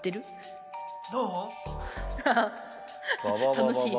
楽しい。